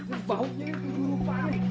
ini burung rupa